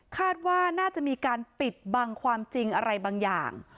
คาดว่าน่าจะมีการปิดบังความจริงอะไรบางอย่าง